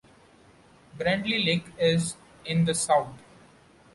Bradley Lake is in the south.